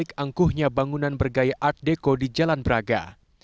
di balik angkuhnya bangunan bergaya art deko di jalan braga